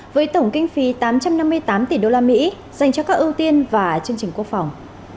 với tổng kinh phí tám trăm năm mươi tám tỷ usd dành cho các ưu tiên và chương trình quốc phòng